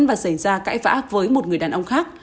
và xảy ra cãi vã với một người đàn ông khác